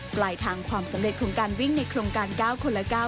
ปลายทางความสำเร็จของการวิ่งในโครงการ๙คนละ๙